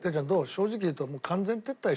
正直言うと。